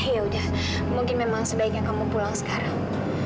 ya udah mungkin memang sebaiknya kamu pulang sekarang